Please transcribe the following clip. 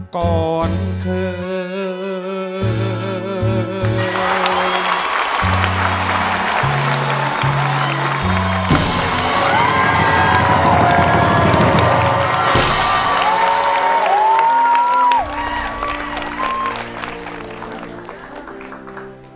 ก่อนคืน